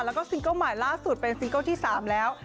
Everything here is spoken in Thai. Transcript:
แล้วก็ซิงเกิ้ลใหม่ล่าสุดเป็นซิงเกิลที่๓แล้ว